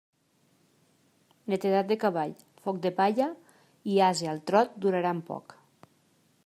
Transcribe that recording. Netedat de cavall, foc de palla i ase al trot duraran poc.